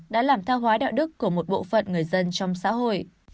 đã làm tha hóa đạo đức của một bộ phận người dân trong xã hội